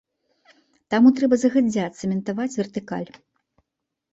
Таму трэба загадзя цэментаваць вертыкаль.